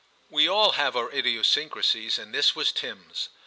We all have our idiosyncrasies, and this was Tim's.